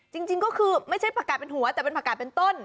จริงก็คือไม่ใช่ผักกาดเป็นหัวแต่เป็นผักกาดเป็นต้น